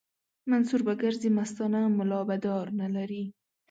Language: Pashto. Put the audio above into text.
منصور به ګرځي مستانه ملا به دار نه لري